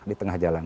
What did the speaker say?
di tengah jalan